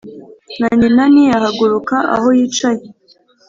na nyina ntiyahagurukaga aho yicaye